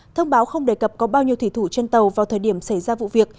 thông báo không đề cập có bao nhiêu thủy thủ trên tàu vào thời điểm xảy ra vụ việc